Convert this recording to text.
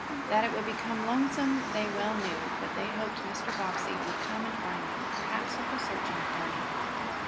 That it would be lonesome they well knew, but they hoped Mr. Bobbsey would come and find them, perhaps with a searching party.